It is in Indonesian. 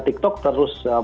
tiktok terus berbicara